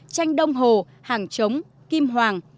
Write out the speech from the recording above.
tranh đông hồ hàng chống kim hoàng